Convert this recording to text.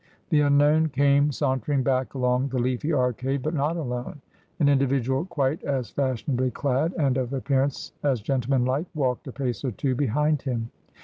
The unknown came sauntering back along the leafy arcade, but not alone ; an individual quite as fashionably clad, and of appearance as gentlemanlike, walked a pace or two behind him.